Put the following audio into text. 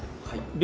はい。